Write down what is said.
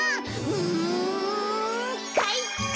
うんかいか！